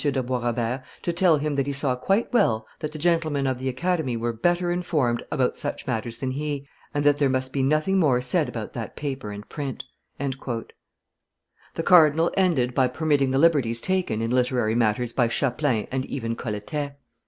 de Bois Robert to tell him that he saw quite well that the gentlemen of the Academy were better informed about such matters than he, and that there must be nothing more said about that paper and print." The cardinal ended by permitting the liberties taken in literary matters by Chapelain and even Colletet.